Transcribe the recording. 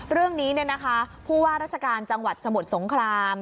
เรื่องนี้เนี่ยนะคะผู้ว่ารัชการจังหวัดสมุดสงคราม